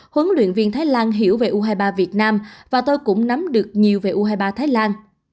huấn luyện viên thái lan hiểu về u hai mươi ba việt nam và tôi cũng nắm được nhiều về u hai mươi ba thái lan